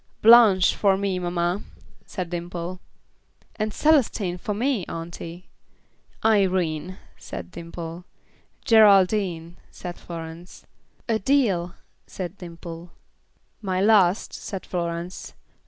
"Blanche, for me, mamma," said Dimple. "And Celestine for me, auntie." "Irene," said Dimple. "Geraldine," said Florence. "Adele," said Dimple. "My last," said Florence.